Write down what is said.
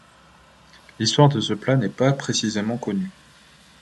L'histoire de ce plat n'est pas précisément connue.